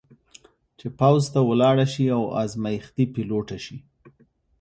چې پوځ ته ولاړه شي او ازمېښتي پیلوټه شي.